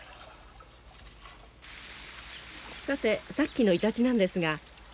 さてさっきのイタチなんですが。